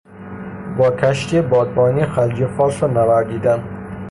با کشتی بادبانی خلیج فارس را نوردیدن